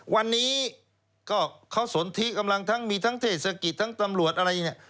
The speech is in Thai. วันนี้ก็เขาสนทิกำลังทั้งมีทั้งเทศกิจทั้งตำรวจอะไรเนี่ย